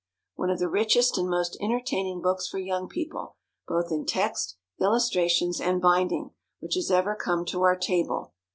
_ One of the richest and most entertaining books for young people, both in text, illustrations, and binding, which has ever come to our table.